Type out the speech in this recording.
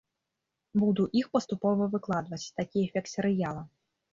Буду іх паступова выкладваць, такі эфект серыяла.